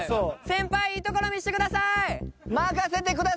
先輩いいところ見せてください！